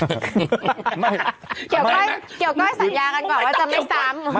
เกี่ยวก้อยสัญญากันก่อนว่าจะไม่ซ้ำ